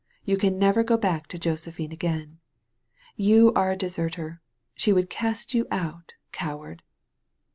You can never go back to Josephine again. You are a deserter. She would cast you out, coward!"